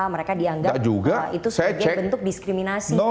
mereka dianggap itu sebagai bentuk diskriminasi